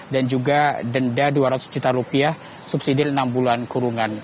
dan juga denda rp dua ratus juta subsidi dari enam bulan kurungan